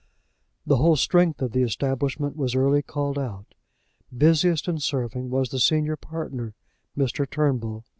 The whole strength of the establishment was early called out. Busiest in serving was the senior partner, Mr. Turnbull.